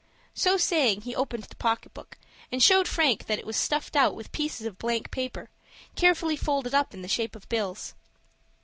So saying he opened the pocket book, and showed Frank that it was stuffed out with pieces of blank paper, carefully folded up in the shape of bills.